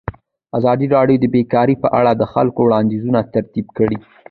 ازادي راډیو د بیکاري په اړه د خلکو وړاندیزونه ترتیب کړي.